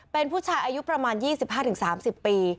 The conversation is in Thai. เป็นผู้ชายอายุประมาณ๒๕๓๐ปี